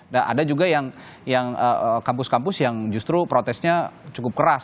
nah ada juga yang kampus kampus yang justru protesnya cukup keras